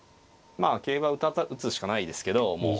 まあ桂馬打つしかないですけどもう。